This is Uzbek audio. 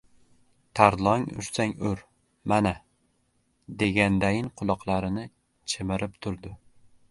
Tarlon ursang ur, mana, degandayin quloqlarini chimirib turdi.